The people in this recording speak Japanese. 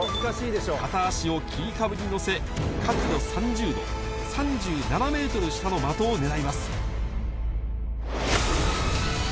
片足を切り株に乗せ、角度３０度、３７メートル下の的を狙います。